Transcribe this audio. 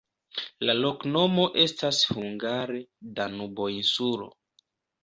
La loknomo estas hungare: Danubo-insulo.